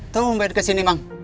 tunggu mbak iduk kesini emang